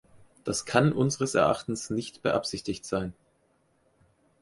Das kann unseres Erachtens nicht beabsichtigt sein.